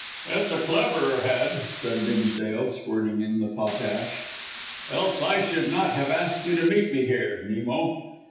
"It's a cleverer head," said Dimsdale, squirting in the potash. "Else I should not have asked you to meet me here Nemo."